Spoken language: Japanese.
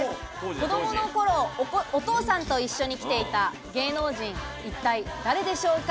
子どもの頃、お父さんと一緒に来ていた芸能人、一体誰でしょうか？